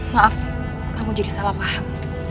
maaf kamu jadi salah paham